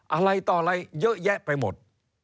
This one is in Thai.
อะไรต่ออะไรเยอะแยะไปหมด